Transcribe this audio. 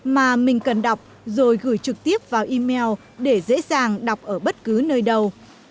mà mình cần đọc rồi gửi trực tiếp vào email để dễ dàng đọc ở bất cứ nơi đâu